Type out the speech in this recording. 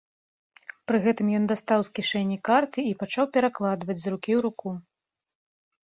Пры гэтым ён дастаў з кішэні карты і пачаў перакладваць з рукі ў руку.